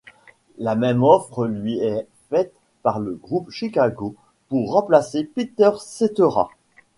La même offre lui est faite par le groupe Chicago pour remplacer Peter Cetera.